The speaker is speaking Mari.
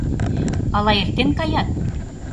Ала эртен каят?